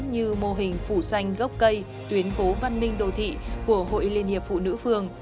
như mô hình phủ xanh gốc cây tuyến phố văn minh đô thị của hội liên hiệp phụ nữ phường